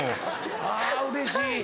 あぁうれしい？